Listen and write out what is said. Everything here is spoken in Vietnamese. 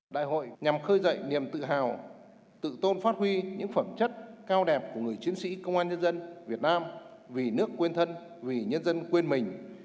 đại hội nhằm khơi dậy niềm tự hào tự tôn phát huy những phẩm chất cao đẹp của người chiến sĩ công an nhân dân việt nam vì nước quên thân vì nhân dân quên mình